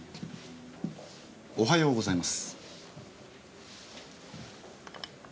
おはようございます。